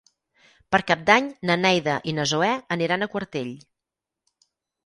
Per Cap d'Any na Neida i na Zoè aniran a Quartell.